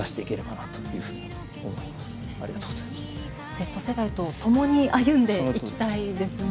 Ｚ世代と共に歩んでいきたいですね。